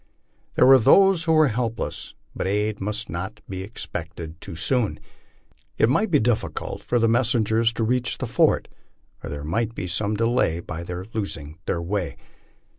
There were those who were helpless, but aid must not be expected too soon. It might be difficult for the messengers to reach the fort, or there might be some delay by their losing their way.